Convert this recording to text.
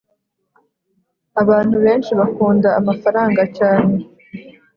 Abantu benshi bakunda amafaranga cyane